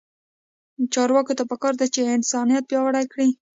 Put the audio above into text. چارواکو ته پکار ده چې، انسانیت پیاوړی کړي.